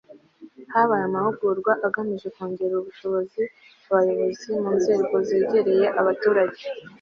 habaye amahugurwa agamije kongera ubushobozi abayobozi mu nzego zegereye abaturage